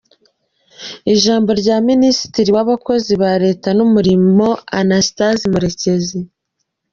Ijambo rya Minisitiri w’Abakozi ba Leta n’Umurimo Anastase Murekezi